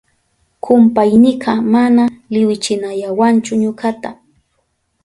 Kumpaynika mana liwichinayawanchu ñukata.